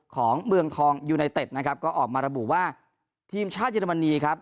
ของเมืองทองยูไนเต็ดนะครับก็ออกมาระบุว่าทีมชาติเยอรมนีครับ